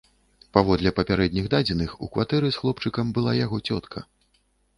Паводле папярэдніх дадзеных, у кватэры з хлопчыкам была яго цётка.